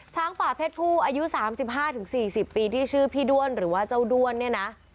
ช้างป่าเพศผู้อายุ๓๕๔๐ปีที่ชื่อพี่ด้วนหรือว่าเจ้าด้วนเนี่ยนะ